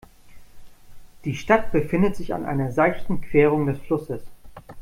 Die Stadt befindet sich an einer seichten Querung des Flusses.